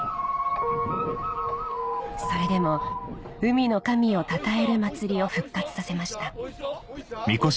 それでも海の神をたたえる祭りを復活させましたおいさ！